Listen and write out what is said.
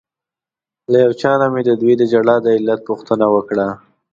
له یو چا نه مې ددوی د ژړا د علت پوښتنه وکړه.